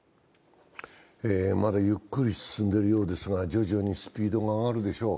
まだゆっくり進んでいるようですが、徐々にスピードが上がるでしょう。